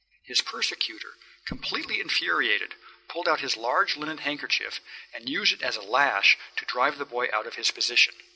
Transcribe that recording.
His persecutor, completely infuriated, pulled out his large linen handkerchief and used it as a lash to drive the boy out of his position.